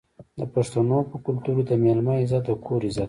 د پښتنو په کلتور کې د میلمه عزت د کور عزت دی.